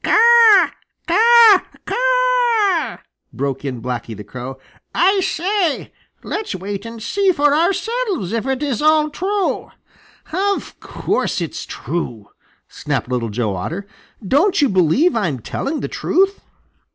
"Caw, caw caw!" broke in Blacky the Crow. "I say, let's wait and see for ourselves if it is all true." "Of course it's true!" snapped Little Joe Otter. "Don't you believe I'm telling the truth?"